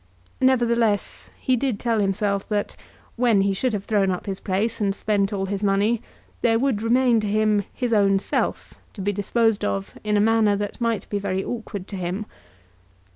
Nevertheless, he did tell himself that, when he should have thrown up his place and spent all his money, there would remain to him his own self to be disposed of in a manner that might be very awkward to him.